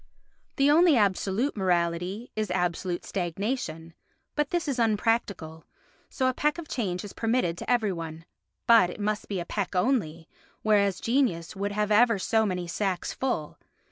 The only absolute morality is absolute stagnation, but this is unpractical, so a peck of change is permitted to every one, but it must be a peck only, whereas genius would have ever so many sacks full.